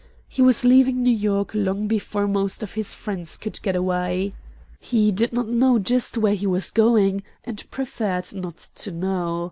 He was leaving New York long before most of his friends could get away. He did not know just where he was going, and preferred not to know.